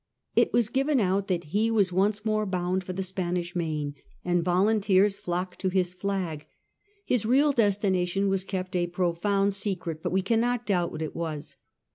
It was given out that he was once more bound for the Spanish Main, and volunteers flocked to his flag. His real destination was kept a profound secret, but we cannot doubt what it was.